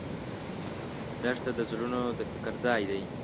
دښته د زړونو د فکر ځای دی.